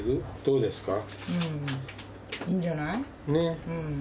うん、いいんじゃない？ねえ。